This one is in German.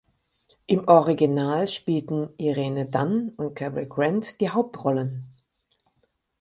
Im Original spielten Irene Dunne und Cary Grant die Hauptrollen.